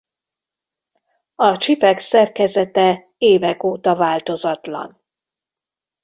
A csipek szerkezete évek óta változatlan.